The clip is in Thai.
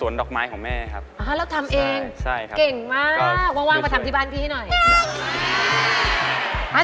อ๋อแล้วทำเองเก่งมากว่างไปทำที่บ้านพี่ให้หน่อย